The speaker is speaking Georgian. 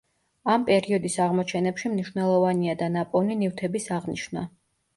ამ პერიოდის აღმოჩენებში მნიშვნელოვანია და ნაპოვნი ნივთების აღნიშვნა.